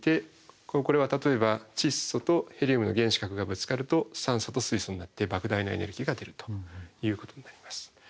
これは例えば窒素とヘリウムの原子核がぶつかると酸素と水素になってばく大なエネルギーが出るということになります。